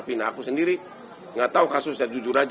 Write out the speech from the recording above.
pindah aku sendiri nggak tahu kasusnya jujur aja